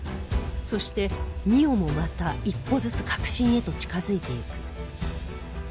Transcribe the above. そして望緒もまた一歩ずつ核心へと近づいていく